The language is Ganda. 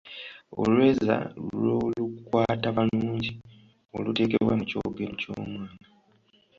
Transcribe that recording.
Olweza lw'olukwatabalungi olutekebwa mu kyogero kyo'mwana.